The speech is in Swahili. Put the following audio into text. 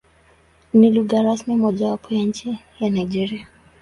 Ni lugha rasmi mojawapo ya nchi ya Nigeria.